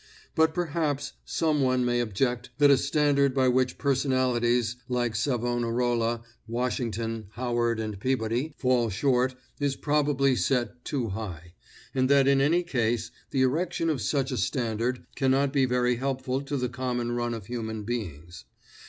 But perhaps some one may object that a standard by which personalities like Savonarola, Washington, Howard and Peabody fall short is probably set too high, and that in any case the erection of such a standard cannot be very helpful to the common run of human beings.